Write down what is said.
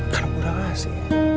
kan kurang asik